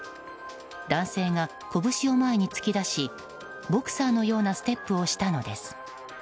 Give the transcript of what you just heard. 男性が拳を前に突き出しボクサーのようなステップをしたのです。